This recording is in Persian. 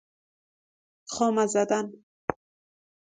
خامه زدن